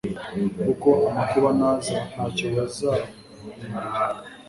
kuko amakuba naza, nta cyo buzakumarira